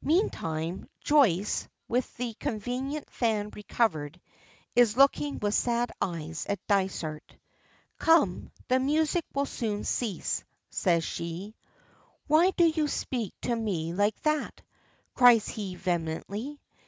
Meantime, Joyce, with that convenient fan recovered, is looking with sad eyes at Dysart. "Come; the music will soon cease," says she. "Why do you speak to me like that?" cries he vehemently.